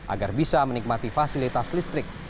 agar bisa menikmati fasilitas listrik